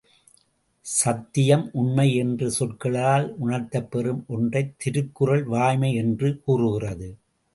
சத்தியம், உண்மை என்ற சொற்களால் உணர்த்தப் பெறும் ஒன்றைத் திருக்குறள் வாய்மை என்று கூறுகிறது.